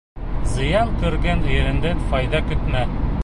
Зыян күргән ереңдән файҙа көтмә.